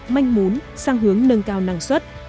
manh muốn sang hướng nâng cao năng xuất